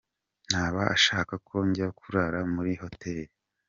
Ntaba ashaka ko njya kurara muri hoteli.